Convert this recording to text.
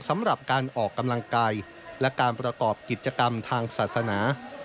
สำหรับการออกกำลังกายและการประกอบกิจกรรมทางศาสนา